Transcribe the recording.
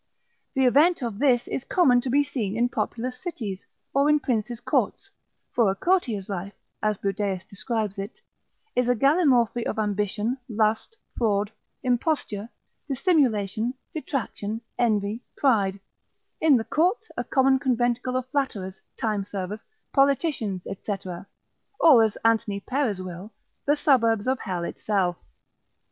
The event of this is common to be seen in populous cities, or in princes' courts, for a courtier's life (as Budaeus describes it) is a gallimaufry of ambition, lust, fraud, imposture, dissimulation, detraction, envy, pride; the court, a common conventicle of flatterers, time servers, politicians, &c. or as Anthony Perez will, the suburbs of hell itself.